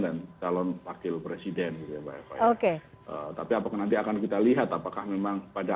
dan calon pakil presiden tapi nanti akan kita lihat apakah memang pada